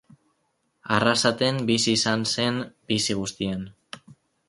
Arrasaten bizi izan zen bizi guztian.